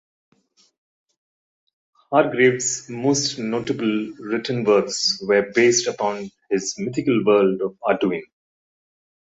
Hargrave's most notable written works were based upon his own mythical world of Arduin.